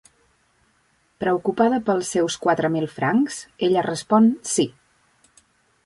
Preocupada pels seus quatre mil francs, ella respon "Sí".